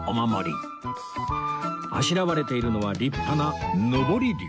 あしらわれているのは立派な昇り竜